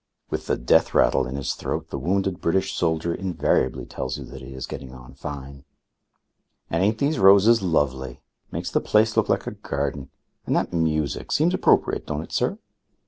With the death rattle in his throat the wounded British soldier invariably tells you that he is getting on fine. "And ain't these roses lovely? Makes the place look like a garden. And that music seems appropriate, don't it, sir?"